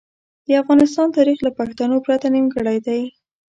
د افغانستان تاریخ له پښتنو پرته نیمګړی دی.